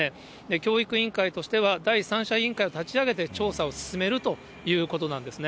教育委員会としては、第三者委員会を立ち上げて、調査を進めるということなんですね。